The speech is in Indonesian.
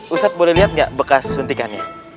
ustadz boleh liat gak bekas suntikannya